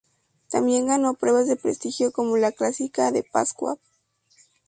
Tambien ganó pruebas de prestigio como la Clásica de Pascua.